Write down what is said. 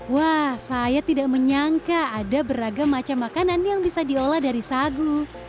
wah saya tidak menyangka ada beragam macam makanan yang bisa diolah dari sagu